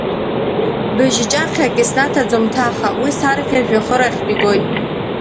Быжьҷахьак иснаҭаӡом ҭаха, уи сарӷьа жәҩахырахьтә игоит.